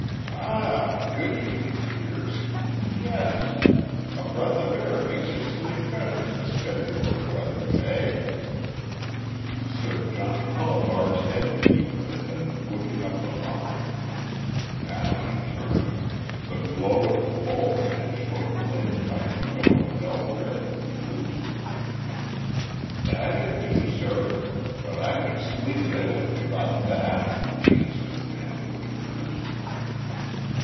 "Ah, good evening, Pierce. Yes. A breath of air makes you sleep better in this February weather, eh?" Sir John Tullibard's head keeper had been looking up the pond. Now he turned, the glow of the bowl of his short clay pipe showing dull red in the gloom. "That it do, sur. But I could sleep middlin' without that," answered the man, with a grin.